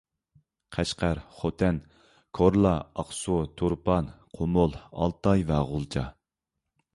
قەشقەر، خوتەن، كورلا، ئاقسۇ، تۇرپان، قۇمۇل، ئالتاي ۋە غۇلجا